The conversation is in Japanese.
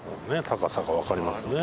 高さが、わかりますね。